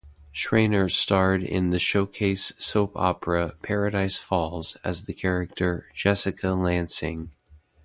Schraner starred in the Showcase soap opera "Paradise Falls" as the character Jessica Lansing.